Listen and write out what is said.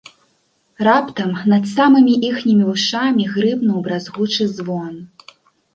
Раптам над самымі іхнімі вушамі грымнуў бразгучы звон.